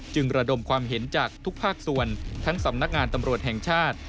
ระดมความเห็นจากทุกภาคส่วนทั้งสำนักงานตำรวจแห่งชาติ